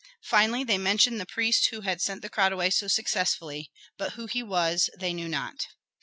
Finally they mentioned the priest who had sent the crowd away so successfully; but who he was they knew not.